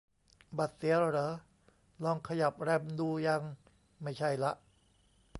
บัตรเสียเหรอ ลองขยับแรมดูยัง ? ไม่ใช่ละ